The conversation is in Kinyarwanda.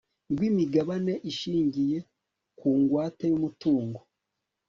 rw imigabane ishingiye ku ngwate y umutungo